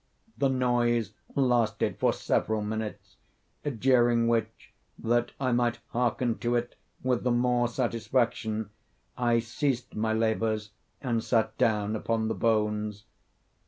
The noise lasted for several minutes, during which, that I might hearken to it with the more satisfaction, I ceased my labors and sat down upon the bones.